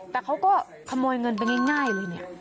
แต่เขาก็ขโมยเงินไปง่ายเลยเนี่ย